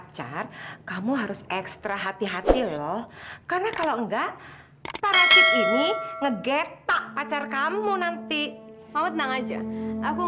sampai jumpa di video selanjutnya